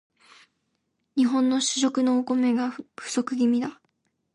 日本の主食のお米が不足気味だ